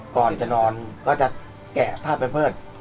ก่อนจะนอนก็จะแกะผ้าไปเพิด